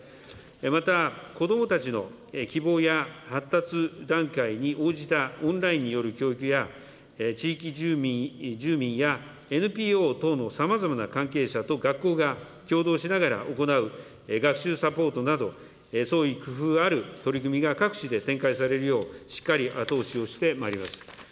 また子どもたちの希望や発達段階に応じたオンラインによる教育や地域住民、住民や、ＮＰＯ等のさまざまな関係者と学校が協働しながら行う学習サポートなど、創意工夫ある取り組みが各地で展開されるよう、しっかり後押しをしてまいります。